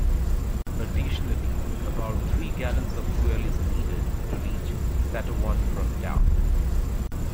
Additionally, about three gallons of fuel is needed to reach Satowan from Ta.